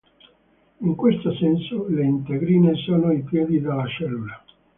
In questo senso, le integrine sono i piedi della cellula.